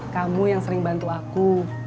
kamu yang sering bantu aku